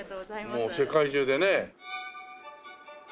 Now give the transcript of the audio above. もう世界中でね。